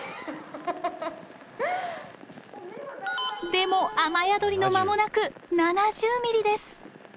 でも雨宿りの間もなく７０ｍｍです。